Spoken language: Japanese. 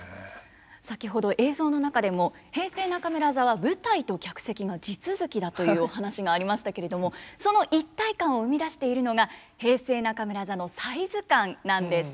先ほど映像の中でも「平成中村座は舞台と客席が地続きだ」というお話がありましたけれどもその一体感を生み出しているのが平成中村座のサイズ感なんです。